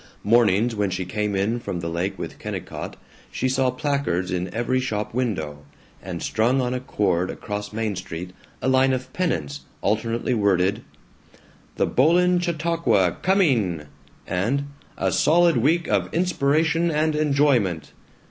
Mornings when she came in from the lake with Kennicott she saw placards in every shop window, and strung on a cord across Main Street, a line of pennants alternately worded "The Boland Chautauqua COMING!" and "A solid week of inspiration and enjoyment!"